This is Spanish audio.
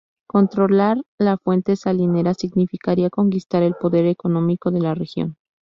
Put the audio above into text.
Controlar la fuente salinera significaría conquistar el poder económico de la región.